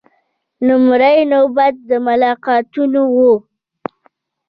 لومړۍ نوبت د ملاقاتونو و.